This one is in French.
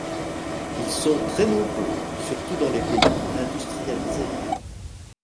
Ils sont très nombreux, surtout dans les pays industrialisés.